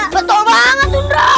betul banget sundra